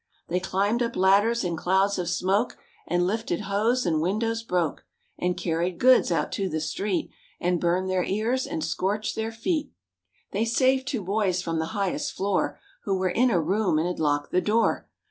They climbed up ladders in clouds of smoke, And lifted hose and windows broke, And carried goods out to the street, And burned their ears and scorched their feet. They saved two boys from the highest floor Who were in a room and had locked the door.